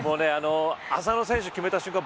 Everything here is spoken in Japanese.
浅野選手、決めた瞬間